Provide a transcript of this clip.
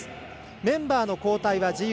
メンバーの交代は自由。